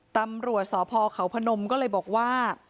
ตำรวจสพเขาพนมก็เลยบอกว่า